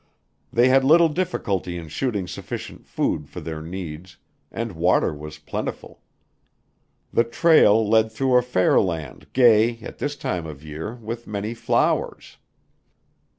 They had little difficulty in shooting sufficient food for their needs, and water was plentiful. The trail led through a fair land gay, at this time of year, with many flowers.